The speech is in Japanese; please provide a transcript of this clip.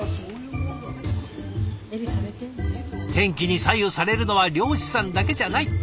天気に左右されるのは漁師さんだけじゃない。